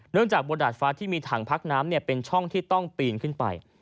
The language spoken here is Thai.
จากบนดาดฟ้าที่มีถังพักน้ำเป็นช่องที่ต้องปีนขึ้นไป